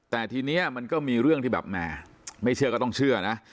แต่ทีนี้มันก็มีเรื่องที่แบบแหมไม่เชื่อก็ต้องเชื่อนะ